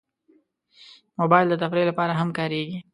موبایل د تفریح لپاره هم کارېږي.